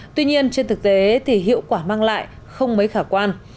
tuy nhiên trên thực tế thì hiệu quả mang lại không mấy khả quan